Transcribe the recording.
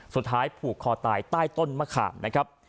สุดท้ายผูกคอตายใต้ต้นมะขามนะครับ